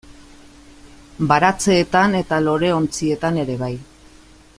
Baratzeetan eta loreontzietan ere bai.